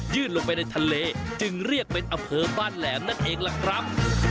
ลงไปในทะเลจึงเรียกเป็นอำเภอบ้านแหลมนั่นเองล่ะครับ